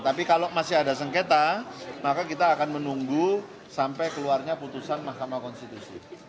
tapi kalau masih ada sengketa maka kita akan menunggu sampai keluarnya putusan mahkamah konstitusi